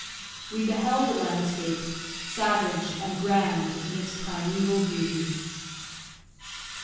We beheld the landscape, savage and grand in its primeval beauty.